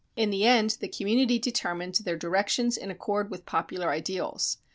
In the end the community determined their directions in accord with popular ideals.